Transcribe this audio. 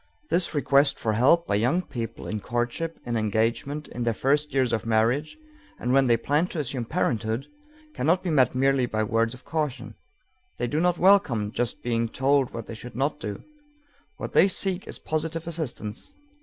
This request for help by young people in courtship, in engagement, in their first years of marriage, and when they plan to assume parenthood, cannot be met merely by words of caution. They do not welcome just being told what they should not do. What they seek is positive assistance.